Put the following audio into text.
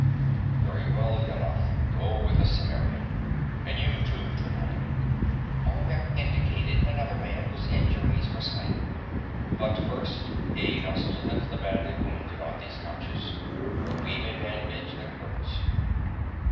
"Very well, Yanath. Go with the Cimmerian. And you, too, Topal." Olmec indicated another man whose injuries were slight. "But first aid us to lift the badly wounded on these couches where we may bandage their hurts."